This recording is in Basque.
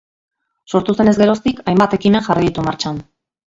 Sortu zenez geroztik, hainbat ekimen jarri ditu martxan.